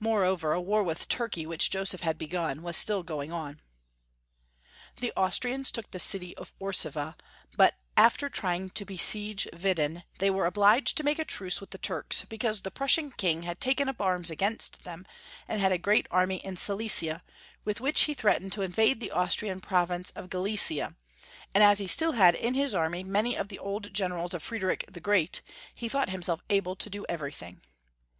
More Leopold 11. 426 over, the war with Turkey which Joseph had be gun was still going, on. The Austrians took the city of Orsova, but after trying to besiege Widdin, they were obliged to make a truce with the Turks, because the Prussian King had taken tip arms against them, and had a great army in Silesia, with which he threatened to invade the Austrian province of Gallicia, and as he still had in his army many of the old generals of Friedrich the Great, he thought himself able to do everything.